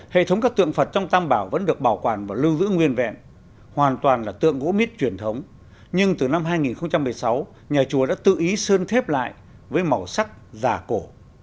hệ thống các tượng phật trong tam bảo vẫn được bảo quản và lưu giữ nguyên vẹn hoàn toàn là tượng gỗ mít truyền thống nhưng từ năm hai nghìn một mươi sáu nhà chùa đã tự ý sơn thép lại với màu sắc giả cổ